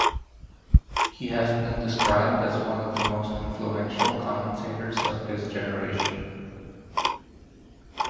He has been described as "one of the most influential commentators of his generation".